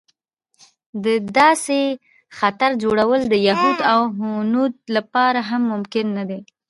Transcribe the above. د داسې خطر جوړول د یهود او هنود لپاره هم ممکن نه دی.